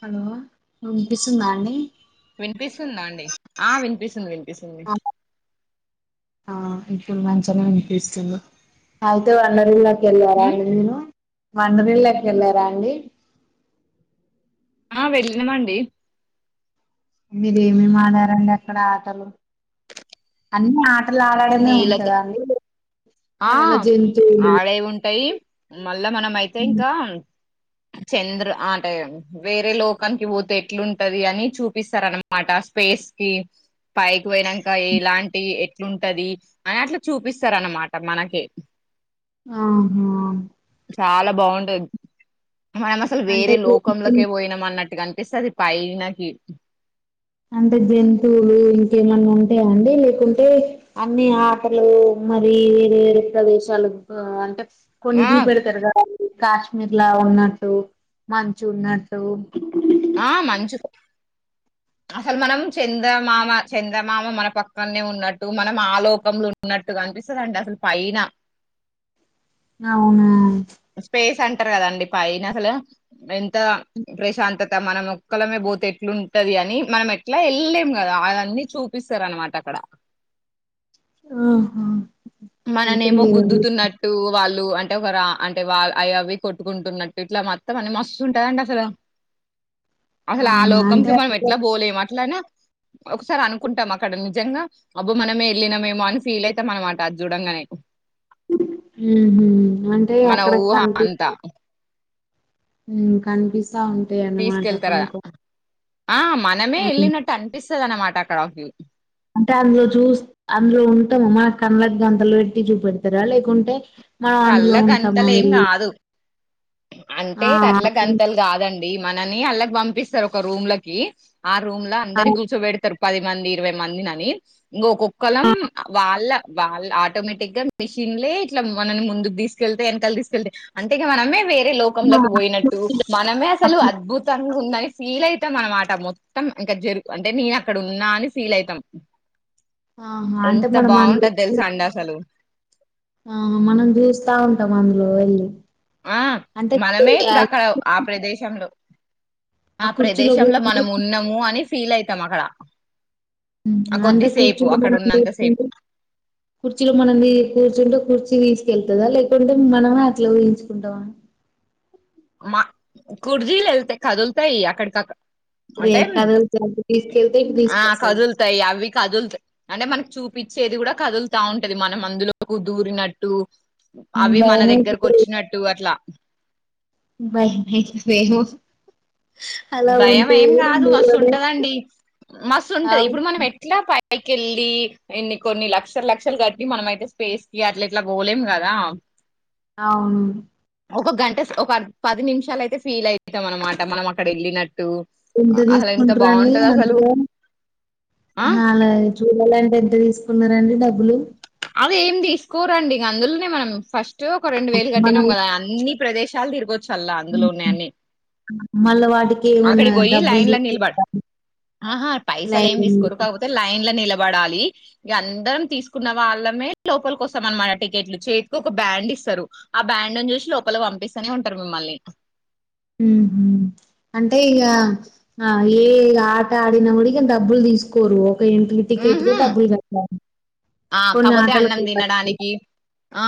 Hello వినిపిస్తుందా అండి వినిపిస్తుందా అండి ఆ వినిపిస్తుంది వినిపిస్తుంది ఆ ఇప్పుడు మంచినే వినిపిస్తుంది అయితే వండరి వెళ్ళారా ఉమ్ అండి మీరు వండరిళ్ళకి వెళ్ళారా అండి ఆ వెళ్ళినమండి మీరు ఏమేమి ఆడారండి అక్కడ ఆటలు అన్నిఆ అండ్ల ఆడడనే నీళ్ళతో ఉంటదా అండి ఏమన్నా ఆ జంతువులు ఆడేఉంటాయి మళ్ళా మనం అయితే ఇంకా చంద్రు ఆంటే వేరే లోకానికి పోతే ఎట్లుంటది అని చూపిస్తారనమాట స్పేస్ కి పైకి పోయినాక ఎలాంటి ఎట్లుంటది అని అట్లా చూపిస్తారు అన్నమాట ట మనకి ఆహా చాలా బాగుంటది మన అసలు వేరే అంటే లోకంలోకే పోయినాం అన్నట్టు కనిపిస్తది పైనకి అంటే జంతువులు ఇంకేమన్నా ఉంటాయా అండి లేకుంటే అన్ని ఆటలు మరి వేరు వేరు ప్రదేశాలు అంటే కొన్ని ఆ చూపెడతారు కదా అండి కాశ్మీర్ లా ఉన్నట్టు మంచు ఉన్నట్టు ఆ మంచు అసలు మనం చంద్రమామ చంద్రమామ మన పక్కనే ఉన్నట్టు మనం ఆలోకంలో ఉన్నట్టుగనిపిస్తందండి అసలు పైనా అవునా స్పేస్ అంటర్ కదండి పైనసలు ఎంత ప్రశాంతత మనమొక్కలమే పోతే ఎట్లుంటది అని అని మనం ఎట్లా వెళ్ళలేం కదా అవన్ని చూపిస్తారనమాట అక్కడ ఆహ మననేమో గుద్దుతున్నట్ టు వాళ్ళు అంటే ఒక రా అంటే వా అవి అవి కొట్టుకుంటున్నట్టు ఇట్లా మొత్తం అని మస్తుంటదండి అసలు అసలు ఆ అవునా అంటే లోకంకి మనం ఎట్లా బోలేం అట్లనా ఒకసారి అనుకుంటాం అక్కడ నిజంగా అబ్బో మనమే ఎల్లినమేమో అని ఫీల్ అయితం అనమా ట అద్ చూడంగానే మ్మ్ హ్మ్మ్ అంటే మన అక్కడ ఊహ కనిపిస్త అంతా కనిపిస్తా ఉంటాయి అన్నమాట తీసుకెళ్తారు కొన్ని కదా, కొ ఆ మనమే ఎళ్ళినట్టు అనిపిస్తదనమాట అక్కడకి అంటే అందులో చూస్ అందులో ఉంటాముమ్మా కళ్ళకి గంతలు పెట్టి చూపెడతారా లేకుంటే మనం కళ్ళ అందులో ఉంటామా గంతలు ఏం వెళ్ళి కాదు అంటే ఆ కట్ల గంతలు కాదండి మనని అళ్ళకి పంపిస్తారు ఒక రూమ్లకి ఆ రూమ్లో అందరిని కూర్చోబెడతారు పది మంది ఇరవై మంది అని ఇంకా ఒక్కొక్కలం వాళ్ళ వాళ్ళ ఆటోమెటిగ్ మిషిన్లే ఇట్ల మనల్ని ముందుకు తీస్త తీసుకెళ్తే వెనకలి తీకెళ్తే అంటే మనమే వేరే లోకంలోకి పోయినట్టు మనమే అసలు అద్భుతంగా ఉందని ఫీల్ అయితాం అన్నమాట మొత్తం ఇంకా జరు అంటే నేను అక్కడున్న అని ఫీల్ అయితాం ఆహా అంటే ఎంత మనం అందు బాగుంటది తెలుసా తండాసలు ఆ మనం చూస్తా ఉంటాము అందులో వెళ్లి ఆ మనమే ఇప్పుడు అక్కడ ఆ ప్రదేశంలో ఆ కుర్చీలో ప్రదేశంలో కూర్చుంటే మనం ఉన్నామ్ము అని ఫీల్ అయితాం అక్కడ ఉమ్, ఆ అంటే కొద్దిసేపు కుర్చీలో అక్కడ మనం ఉన్నంతసేపు కూర్చుంటే కుర్చీలో మనమే కూర్చుంటే కూర్చీ తీసుకెళ్తాదా లేకుంటే మనమే అట్లా ఊహించుకుంటామా మా కుర్చీలు వెళ్తాయి కదులుతాయి అక్కడికక్కడ అదే అంటే కథలు అటు తీసుకెళ్తే ఇటు ఆ తీసుకొస్తాయి కదులుతాయి అవి కదులుతాయి అంటే మనకు చూపించేది కూడా కదులుతా ఉంటది మనం అందులోకి దూరినట్టు అవి మన దగ్గరకు భయమైతది వచ్చినట్లు అట్లా బయయ వెయహు భయం ఏం కాదు మస్తు మూవీ ఉంటాదండి మస్తు ఉంటది అవును ఇప్పుడు మనం ఎట్లా పై పైకెళ్ళి ఇన్ని కొన్ని లక్షల లక్షలు కట్టి మనమైతే స్పేస్కి అట్లా ఇట్లా పోలేం కదా చ్ అవును ఒక గంటస్ ఒక పది నిమిషాలు అయితే ఫీల్ అయితాం అన్నమాట మనం అక్కడ వెళ్లిన టూ ఎంత తీసుకుంటాడంటరి అందులో ఆ అలా చూడాలండి ఎంత తీసుకున్నారండి డబ్బులు అదే ఏం తీసుకోరండి ఇంకా అందులోనే మనం ఫస్ట్ ఒక రెండు వేలు కట్టినం మనం కదా అన్ని ప్రదేశాలు తిరుగో చల్ల అందులోనే అన్ని మళ్ళ వాటికి ఏమన్నా అక్కడికి పోయి డబ్బులు లైన్లో నిలబడు తీసుకుంటారా? ఆహా పైసలేం లైవ్ తీసుకోరు మ్యూజిక్. కాకపోతే లైన్లో నిలబడాలి ఇక అందరం తీసుకున్నాం వాళ్ళమే లోపలికి వస్తామన్నమాట టికెట్లు చేతికి ఒక బ్యాండ్ ఇస్తారు ఆ బ్యాండ్ని చూసి లోపలికి పంపిస్తూనే ఉంటారు మిమ్మల్ని ఉహు అంటే ఇంకా ఆ ఏ ఆట ఆడిన కూడా డబ్బులు తీసు కోరు ఒక ఎంట్రీ టికెట్కే హుహు. డబ్బులు కట్టా ఆ కాకపోతే అన్నం తినడానికి ఆ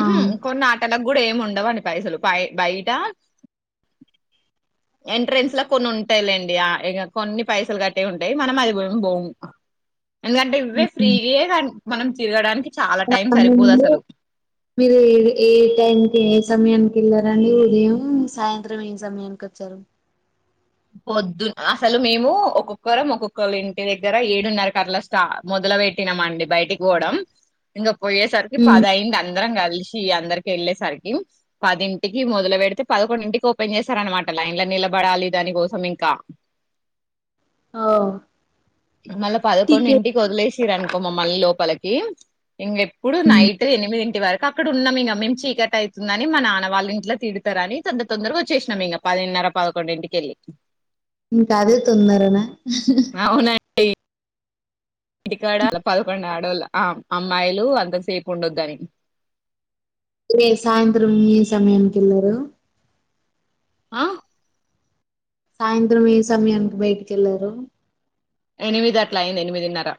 ఆ! ఉహ్ కొన్ని ఆటలకు కూడా ఏమి ఉండవండి పైసలు బాయ్ బయట ఎంట్రెన్స్లో కొన్ని ఉంటాయిలేండి ఆ ఇ కొన్ని పైసలు కట్టే ఉంటాయి మనం అది బోగు ఎందుకంటే ఇవే హుహు. ఫ్రీ మనం తిరగడానికి చాలా టైం సరిపోదు అంతకుముందు అసలు మీరు ఏ ఏ టైంకి ఏ సమయానికి వెళ్ళారండి ఉదయం సాయంత్రం ఏ సమయం వెనుకకు జరుగు పొద్దున్న అసలు మేము ఒక్కొక్కరం ఒక్కొక్కరు ఇంటి దగ్గర ఏడున్నారు కల్లా స్టా మొదలు పెట్టామండి బయటికి పోవడం ఇంకా పోయేసరికి హ్మ్. పదయింది అ అందరం కలిసి అందరికి వెళ్ళేసరికి పదింటికి మొదలు పెడితే పదకోండింటికి ఓపెన్ చేసారన్నమాట లైన్లో నిలబడాలి దానికోసం ఇంకా ఆ వు మళ్ల పదకొడింటికి ఒదిలేసరి అనుకో మమ్మల్ని లోపలకి ఇంగేప్పుడు హ్మ్. నైట్ ఎనిమిదింటి వరకు క అక్కడున్నం ఇగ మేము చీకటయితుందని మా నాన్న వాళ్ళ ఇంట్లో తిడతరని తొందర తొందర వోచ్చేశినమ్ ఇగ పదిన్నర పదకొండింటికెళ్ళి ఇంకా అదే తొందరన అవునన్ ఇక్కడ పదకొండు ఆడోళ్ళ ఆ అమ్మాయిలు అంత సేపు ఉండొద్దు అని మీరు సాయంత్రం ఈ సమయానికెళ్లారా ఆ సాయంత్రం ఏ సమయానికి బయటకెళ్లారు. ఎనిమిది అట్లఅయ్యింది ఎనిమిదిన్నర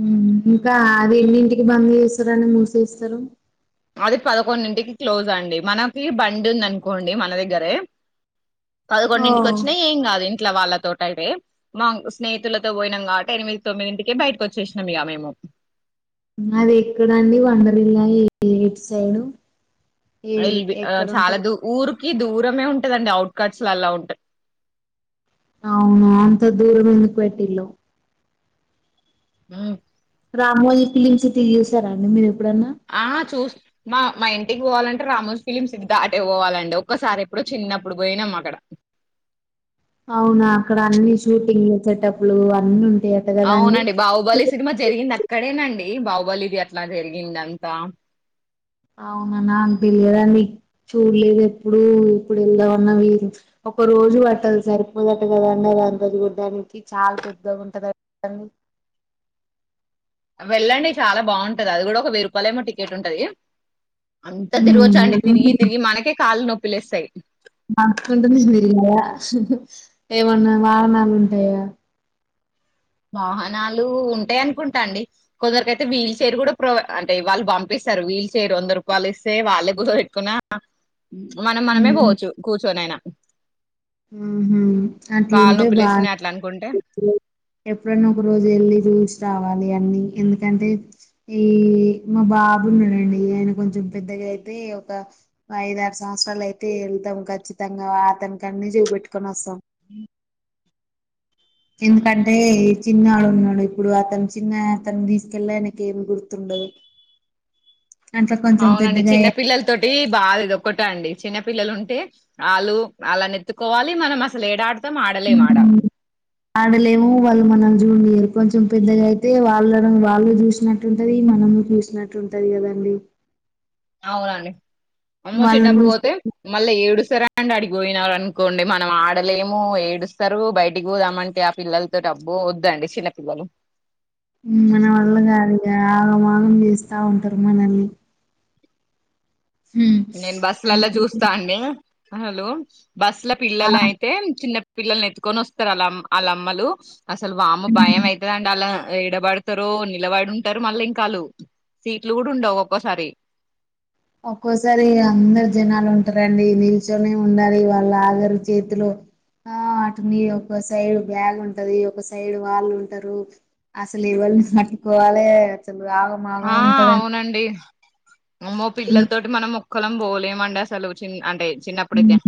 ఉ ఇంకా అది ఎన్నింటికి బంద్ చేస్తారూ అని మూసేస్తరు. అది పదకొండింటికి క్లోజ్ అండి మనకి బండి ఉంది అనుకోండి మన దగ్గరే ఓ పదకొండింటికి ఒచ్చినా ఏం గాదు ఇంట్లో వాళ్లతోటి అయితే మాంక్ స్నేహితులతో బోయినం కావట్టి ఎనిమిది తొమ్మిదింటికే బయటకు ఒచ్చేశినం ఇగ మేము అది ఎక్కడండి వండరి ఇల్లా ఏ ఎటు సైడ్ ఇవి చాలా దూ ఊరికి దూరమే ఉంటందండి అవుట్ కట్స్ లలా ఉంట అవున అంత దూరం ఎందుకు పెట్టిళ్ళు ఉ రామోజీ ఫిలిం సిటీ చూసారాండి మీరు ఎప్పుడన్నా ఆ చూస్ మా మా ఇంటికి పోవాలంటే రామోజ్ ఫిలిమ్ సిటీ దాటే పోవాలండి ఒక్కసారి ఎప్పుడో చిన్నప్పుడు బోయినాము అక్కడ అవునా అక్కడ అన్ని షూటింగులు చెటప్లు అన్ని ఉంటాయి అక్ అవునండి బాహుబలి సినిమా జరిగింది అక్కడేనండి బాహుబలిది అట్లా జరిగింది అంతా అవునన్నా తెలియదండి చూడలేదు ఎప్పుడు ఇప్పుడు వెళ్దామన్న వీలులేదు ఒక రోజు పట్టదు సరిపోదంట కదండి అదంతా చూడడానికి చాల్ పెద్దగుంటదట కదండి. వెళ్ళండి చాలా భావుంటది అది కూడా ఒక వెయ్యి రూపాయలు ఏమో టికెట్ ఉంటాది. అంత తిరిగొచ్చా అండి తిరిగి తిరిగి మనకే కాళ్ళు నొప్పులేస్తాయి. మాచ్ కుంటుంది మిలిగినయా ఏమన్నా వాహనాలు ఉంటయా వాహనాలు ఉంటయి అనుకుంటా అండి. కొందరికైతే వీల్ చైర్ గూడ ప్రొై అంటే వాళ్ళు బంపిస్తారు వీల్ చైర్ వంద రూపాయలు ఇస్తే వాళ్ళే కూసోబేట్టుకున్న అ మనం మనమే ఉమ్ బోవచ్చు కూర్చో నైన ఆహ కాళ్ళు అట్లుంటే బాగా [inaudible] నొప్పిలేస్తున్నాయి అట్లా అనుకుంటే. ఎప్పుడన్నా ఒక రోజు ఎళ్ళి జూసి రావాలి అన్ని ఎందుకంటే ఈ మా బాబున్నడండి ఆయన కొంచెం పెద్దగా అయితే ఒక ఐద ఆరు సంవత్సరాలు అయితే ఎళ్తాం. ఖచ్చితంగా అతనికన్ని జూపెట్టుకొని ఒస్తాం. ఎందుకంటే చిన్నాడు ఉన్నడు ఇప్పుడు అతను చిన్న అతను తీసుకెళ్లా ఆయనకి ఏమి గుర్తుండదు. అట్లా కొంచెం అవునండి పెద్దగా అయ్యాక చిన్నపిల్లల తోటి బాధ ఇది ఒకటే అండి చిన్నపిల్లలు ఉంటే ఆళ్లు ఆళ్ల నెత్తుకోవాలి మనం అసలు ఏడా ఆడుతాం ఆడలేం ఆడ ఆడలేము వాళ్లు మనల్ని జూడనీయరు కొంచెం పెద్దగా అయితే వాళ్లను వాళ్లు చూసినట్లు ఉంటది మనము చూస్ నట్టుఉంటది కదండి. అవునండి అమ్మో వాళ్ళని చిన్నప్పుడు బోతే చూసి మళ్ళ ఏడుస్తరు అండి అడిగికిపోయినారు అనుకోండి మనం ఆడలేము, ఏడుస్తరు బయటికి పోదామంటే ఆ పిల్లలతో టి అబ్బో వద్దండి చిన్నపిల్లలు. మన వల్ల కాదు ఇగ ఆగం ఆగం చేస్తా ఉంటరు మనల్ని. హ్మ్. నేను బస్సులల్ల అందుకే చూస్తా అండి అసలు బస్ల ఆ పిల్లలు అయితే చిన్న పిల్లల్ని ఎత్తుకొని వస్తరు ఆళ్ల ఆళ్ల అమ్మలు అసలు వామ్మో హ్మ్. భయం అయితదండి అల్లా ఎడబడు తరో అని నిలబడి ఉంటరు మళ్ళీ ఇంకా ఆళ్ళు సీట్లు కూడా ఉండవు ఒక్కొసారి. ఒక్కోసారి అందరు జనాలు ఉంటరండి, నిల్చోనే ఉండాలి, వాళ్ళు ఆగరు చేతిలో. ఆ అటుని ఒక సైడ్ బ్యాగ్ ఉంటది ఒక సైడ్ వాళ్ళు ఉంటరు. అసలు ఎవళ్ని పట్టుకోవాలే అసలు ఆ ఆ అవునండి అమ్మో చిన్న పిల్లల తోటి మనము ఒక్కలం బోలేమండి అసలు చి అంటే చిన్నప్పుడైతే. హ్మ్.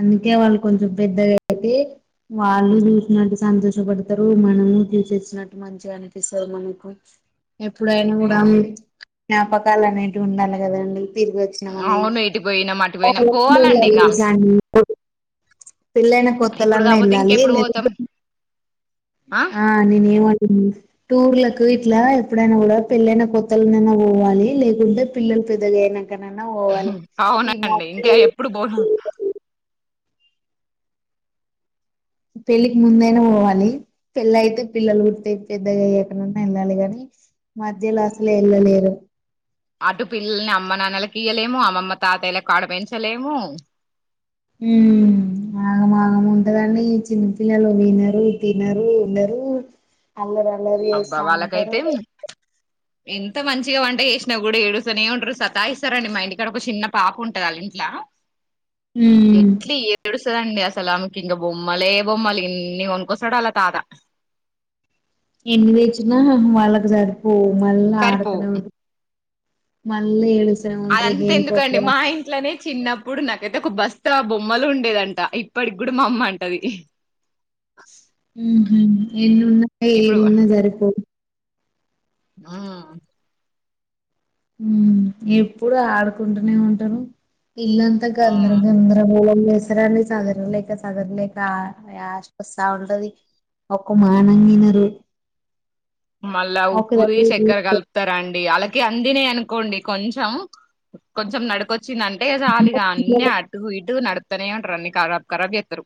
అందుకే వాళ్ళు కొంచెం పెద్దగయితే వాళ్ళు చూసినట్టు సంతోషపడతరు, మనము చూసేసినట్టు మన మంచిగా అనిపిస్తది మనకు. ఎప్పుడైనా కూడా ఆ. జ్ఞాపకాలు అనేటివి ఉండాలె కదండి. తిరిగి వచ్చినం అని అవును ఇటు పోయినాం అటు పోయినాం పోవాలండి ఇంగా [inaudible] పెళ్ళైనా ఇప్పుడు కొత్తలన్నా కాపోతే ఎళ్ళాలి ఇంకెప్పుడు పోతాం లేదంటే ఆ ఆ నేనేం అంటుంది. టూర్లకు ఇట్లా ఎప్పుడైనా కూడా పెళ్ళైైన కొత్తలనైనా పోవాలి లేకుంటే పిల్లలు పెద్దగా అయినం కనన్నా పోవాలి. ఈ మధ్యలో ఇప్పుడు పోదాం. పెళ్ళికి ముందైనా పోవాలి. పెళ్లయితే పిల్లలు పుడితే పెద్దగా అయ్యాకనన్నా ఎళ్ళాలే గాని. మధ్యల అస్సలే ఎళ్ళలేరు. అటు పిల్లల్ని అమ్మనాన్నలకు ఇయ్వలేము, అమ్మమ్మ తాతయ్యలకు ఆడ పెంచలేము. ఉ ఆగమాగం ఉంటదని చిన్నపిల్లలు వినరు, తినరు, ఉండరు. అల్లరి అల్లరి అబ్బా చేస్తా ఉంటరు. వాళ్ళకైతే ఎంత మంచిగా వంట చేశినా కూడా ఏడుస్తనే ఉంటరు, సతాయిస్తరండి మా ఇంటికాడ ఒక చిన్న పాప ఉంటంది ఆళ్ళ ఇంట్ల. హ్ ఎట్లా ఏడుస్తుదండి అసలు ఆమెకి ఇంగ బొమ్మలే బొమ్మలు ఎన్ని కొనుక్కొస్తాడు అల్లా తాత. ఎన్ని తెచ్చినా వాళ్ళకు సరిపోపు మళ్ళ సరిపోవు ఆడతనే మళ్ళ ఏడుస్ అదంతా ఎందుకండి మా ఇం ఇట్లనే చిన్నప్పుడు నాకైతే ఒక బస్త బొమ్మలు ఉండేదంట ఇప్పటికి కూడా మా అమ్మ అంటది. ఎన్ని ఉన్నా ఇప్పుడు ఏమి సరిపోవు. ఆ ఎప్పుడు ఆడుకుంటనే ఉంటరు, ఇల్లం తా గందర గందరగోళం చేస్తా పసరాని సదర లేక సదరలేక యాష్టవస్తా ఉంటది. ఒక్క మానాన ఇనరు. మళ్ళా ఉప్పుది దగ్గర చక్కెర కూర్చో కలుపు తారండి ఆళ్లకి అందినే అనుకోండి కొంచెం కొంచెం నడుకొచ్చ ది అంటే చాలు ఇ అన్ని అటు ఇటు నడుపుతానే ఉంటరు అన్ని కరాబ్ కరాబ్ చేస్తారు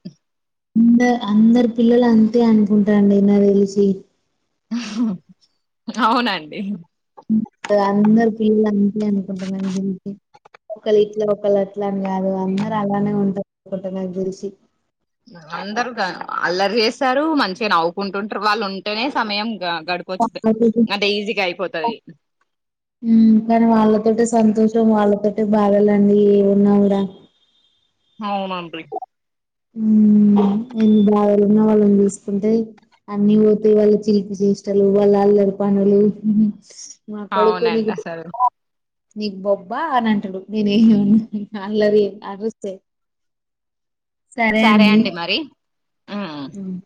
అంద అందరు పిల్లలు అంతే అనుకుంటారండి నాకు తెలిసి అవునండి అందరు పిల్లలు అంతే అనుకుంటున్నాం దీనికి ఒకళ ఇట్ల ఒకళ్ళ అట్లాని కాదు అందరు అలానే ఉంటారు అనుకుంట నాకు తెలిసి అందరు అల్లరి చేస్తారు మంచిగా నవ్వుకుంటుంటారు వాళ్ళు ఉంటేనే సమయం గడుపు వాళ్ళతోటి అంటే ఈజీగా అయిపోతది ఉమ్ కానీ వాళ్ళతోటే సంతోషం వాళ్ళతోటే బాధలండి ఏ ఉన్నావు కూడా అవునండి ఊమ్ ఎన్ని బాదలున్నా వాళ్ళని చూసుకుంటే అన్ని పోతాయ్ వాళ్ళ చిలిపిచేష్టలు వాళ్ళ అల్లరి పనులు మా కొడుకు అవునండి నీకు అసలు నీకు బొబ్బా అని అంటాడు నేనేమి అల్లరి అరుస్తే సరే అండి ఉమ్. ఊమ్